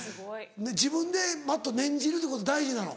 自分でＭａｔｔ念じるってこと大事なの？